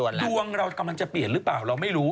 ดวงเรากำลังจะเปลี่ยนหรือเปล่าเราไม่รู้